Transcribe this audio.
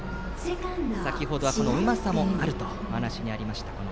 先程はうまさもあるという話がありました。